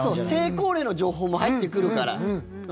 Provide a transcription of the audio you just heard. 成功例の情報も入ってくるから。